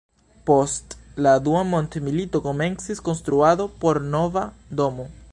Post la Dua Mondmilito komencis konstruado por nova domo.